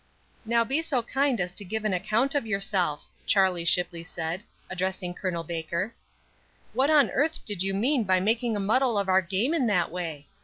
"Now be so kind as to give an account of yourself," Charlie Shipley said, addressing Col. Baker. "What on earth did you mean by making a muddle of our game in that way?